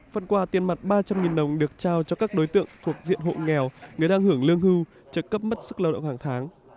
phần quà tiền mặt ba trăm linh đồng được trao cho các đối tượng thuộc diện hộ nghèo người đang hưởng lương hưu trợ cấp mất sức lao động hàng tháng